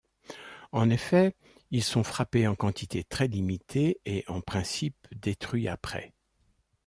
En effet ils sont frappés en quantité très limitée et, en principe, détruit après.